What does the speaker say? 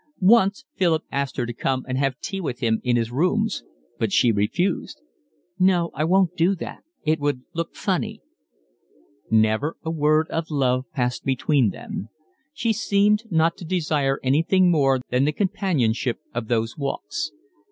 Once Philip asked her to come and have tea with him in his rooms, but she refused. "No, I won't do that. It would look funny." Never a word of love passed between them. She seemed not to desire anything more than the companionship of those walks.